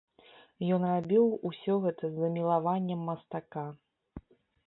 Ён рабіў усё гэта з замілаваннем мастака.